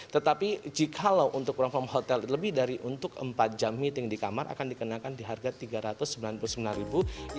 tetapi jikalau untuk work from hotel lebih dari untuk empat jam meeting di kamar akan dikenakan di harga rp tiga ratus sembilan puluh sembilan